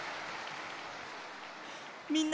みんな！